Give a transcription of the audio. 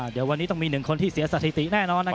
เดี๋ยววันนี้ต้องมี๑คนที่เสียสถิติแน่นอน